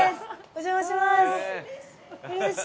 お邪魔します。